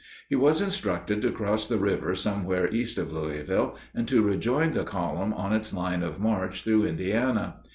He was instructed to cross the river somewhere east of Louisville and to rejoin the column on its line of march through Indiana.